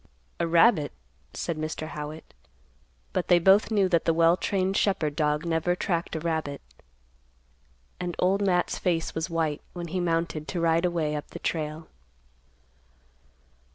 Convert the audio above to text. "A rabbit," said Mr. Howitt. But they both knew that the well trained shepherd dog never tracked a rabbit, and Old Matt's face was white when he mounted to ride away up the trail.